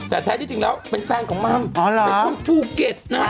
แต่แท้ที่จริงแล้วเป็นแฟนของมัมเป็นคนภูเก็ตนะฮะ